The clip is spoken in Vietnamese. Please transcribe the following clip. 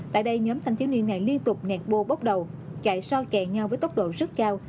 tại đây nhóm thanh thiếu niên này liên tục ngạc bô bốc đầu chạy so kẹt nhau với tốc độ rất cao